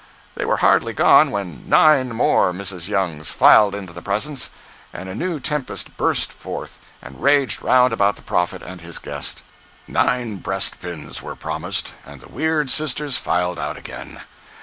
They were hardly gone when nine more Mrs. Youngs filed into the presence, and a new tempest burst forth and raged round about the prophet and his guest. Nine breast pins were promised, and the weird sisters filed out again.